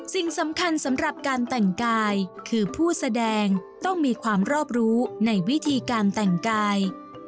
สิ่งสำคัญสำหรับการแต่งกายคือผู้แสดงต้องมีความรอบรู้ในวิธีการแต่งกาย